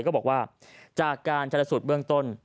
ก็บอกว่าจากการชนสูตรเบื้องต้น